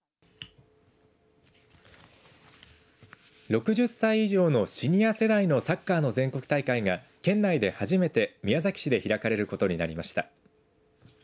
６０歳以上のシニア世代のサッカーの全国大会が県内で初めて宮崎市で開かれることになりました。